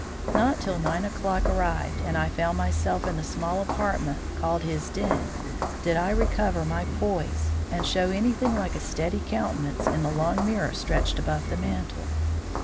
Not till nine o'clock arrived and I found myself in the small apartment called his den, did I recover my poise and show anything like a steady countenance in the long mirror stretched above the mantel.